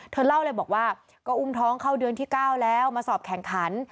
เธอเล่าเลยบอกว่าก็อุ้มท้องเข้าเดือนที่๙แล้วมาสอบแข่งขัน